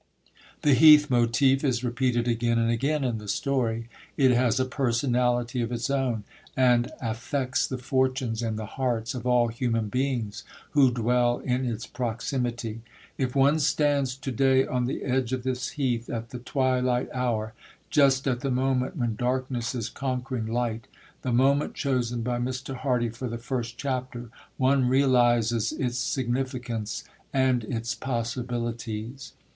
The Heath motif is repeated again and again in the story. It has a personality of its own, and affects the fortunes and the hearts of all human beings who dwell in its proximity. If one stands to day on the edge of this Heath at the twilight hour, just at the moment when Darkness is conquering Light the moment chosen by Mr. Hardy for the first chapter one realises its significance and its possibilities.